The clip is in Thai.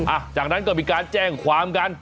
หลังจากนั้นก็มีการแจ้งความกัน